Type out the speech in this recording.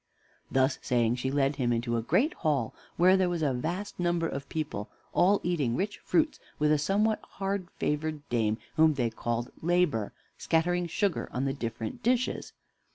Thus saying, she led him into a great hall, where there was a vast number of people, all eating rich fruits, with a somewhat hard favored dame, whom they called Labor, scattering sugar on the different dishes.